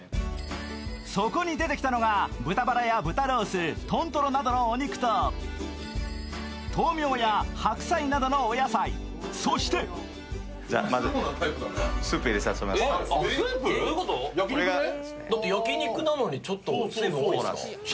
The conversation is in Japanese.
そこに出てきたのが、豚バラや豚ロース、豚とろなどのお肉と豆苗や白菜などのお野菜、そしてそんな世界線あるかね。